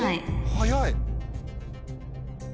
早い。